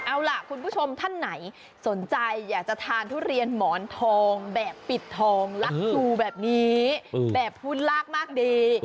เอาล่ะคุณผู้ชมท่านไหนสนใจอยากจะทานทุเรียนหมอนทองแบบปิดทองลักพลูแบบนี้แบบหุ้นลากมากดี